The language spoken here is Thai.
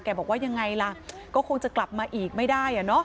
บอกว่ายังไงล่ะก็คงจะกลับมาอีกไม่ได้